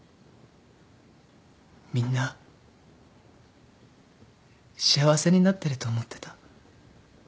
みんな幸せになってると思ってた。